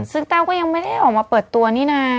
ซึ่งแต้วก็ยังไม่ได้ออกมาเปิดตัวนี่นะ